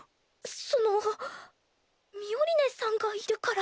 そのミオリネさんがいるから。